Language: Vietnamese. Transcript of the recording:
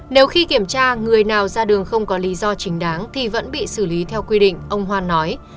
nếu khi kiểm tra người nào ra đường không có lý do chính đáng thì vẫn bị xử lý theo quy định ông hoan nói